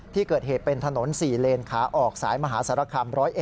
ที่เกิดเหตุเป็นถนน๔เลนขาออกสายมหาสารคาม๑๐๑